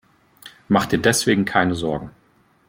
Mach dir deswegen keine Sorgen.